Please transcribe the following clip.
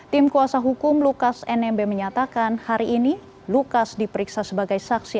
tim kuasa hukum lukas nmb menyatakan hari ini lukas diperiksa sebagai saksi